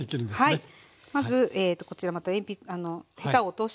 はい。